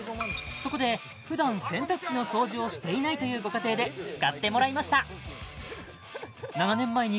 そこで普段洗濯機の掃除をしていないというご家庭で使ってもらいました